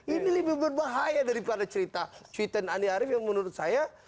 ini lebih berbahaya daripada cerita cuitan andi arief yang menurut saya